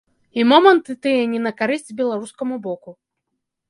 І моманты тыя не на карысць беларускаму боку.